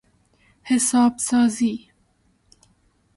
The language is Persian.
حساب سازی